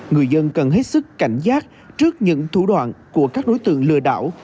người dân cần hết sức cảnh giác trước những thủ đoạn của các đối tượng lừa đảo